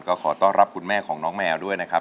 ก็ขอต้อนรับคุณแม่ของน้องแมวด้วยนะครับ